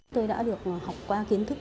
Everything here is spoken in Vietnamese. tôi đã được học qua kiến thức